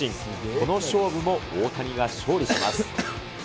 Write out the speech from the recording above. この勝負も大谷が勝利します。